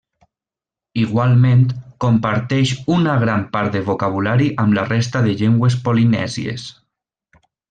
Igualment, comparteix una gran part del vocabulari amb la resta de llengües polinèsies.